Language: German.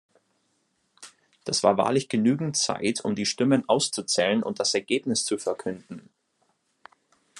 Das war wahrlich genügend Zeit, um die Stimmen auszuzählen und das Ergebnis zu verkünden.